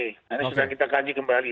ini sudah kita kaji kembali